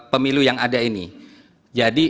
pemilu yang ada ini jadi